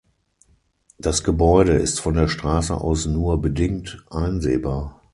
Das Gebäude ist von der Straße aus nur bedingt einsehbar.